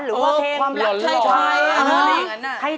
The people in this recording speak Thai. หรือว่าเพลงความหลักไทย